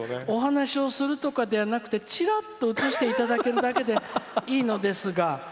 「お話しをするとかではなくてちらっと映していただけるだけでいいのですが。